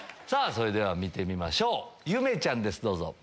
それでは見てみましょうゆめちゃんですどうぞ。